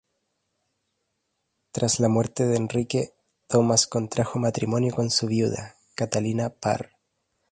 Tras la muerte de Enrique, Thomas contrajo matrimonio con su viuda, Catalina Parr.